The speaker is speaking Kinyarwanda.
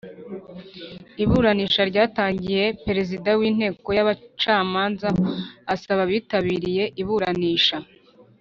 Iburanisha ryatangiye perezida w’Inteko y’abacamanza asaba abitabiriye iburanisha